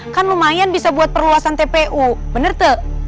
kan lumayan bisa buat perluasan tpu bener tuh